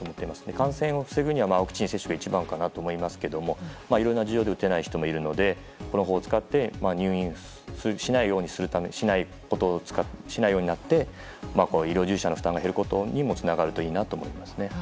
感染を防ぐにはワクチン接種が一番かと思いますがいろんな事情で打てない人もいるのでこの方法を使って入院しないようになって医療従事者の負担が減ることにもつながるといいなと思います。